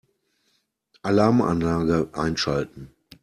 Alarmanlage einschalten.